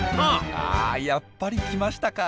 あやっぱり来ましたか。